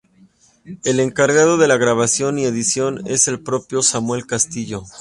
El encargado de la grabación y edición es el propio Samuel Castillo.